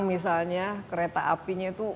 misalnya kereta apinya itu